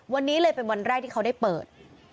วันนี้เลยเป็นวันแรกที่เขาได้เปิด